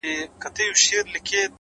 ستا د يادونو فلسفې ليكلي،